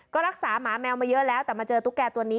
ก็รักษาหมาแมวมาเยอะแล้วแต่มาเจอตุ๊กแก่ตัวนี้